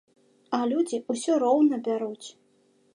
А людзі ўсё роўна бяруць!